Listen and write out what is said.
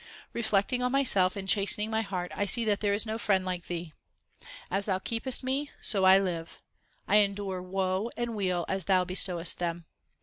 Reflecting on myself and chastening my heart I see that there is no friend like Thee. As Thou keepest me so I live ; I endure woe and weal as Thou bestowest them.